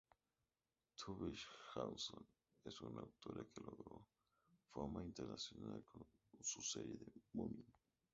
Tove Jansson es una autora que logró fama internacional con su serie de Mumin.